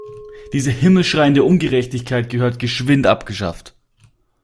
Diese himmelschreiende Ungerechtigkeit gehört geschwind abgeschafft.